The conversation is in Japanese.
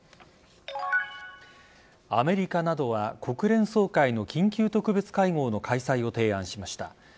アメリカなどは国連総会の緊急特別会合の開催を提案しました。